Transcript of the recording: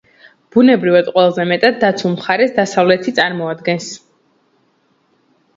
ბუნებრივად ყველაზე მეტად დაცულ მხარეს დასავლეთი წარმოადგენს.